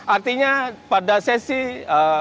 artinya pada sesi latihan